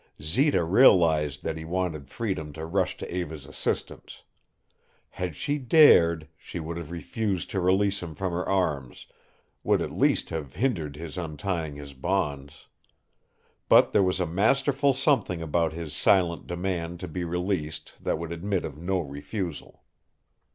Zita realized that he wanted freedom to rush to Eva's assistance. Had she dared, she would have refused to release him from her arms, would at least have hindered his untying his bonds. But there was a masterful something about his silent demand to be released that would admit of no refusal.